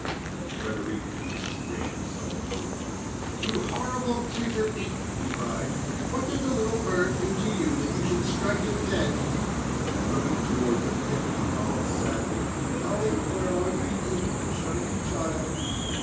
Frederic could restrain himself no longer. "You horrible Tutor Ink!" he cried, "what did the little bird do to you, that you should strike it dead?" And looking toward the thicket, he called sadly: "Oh! where are you, beautiful Shining Child?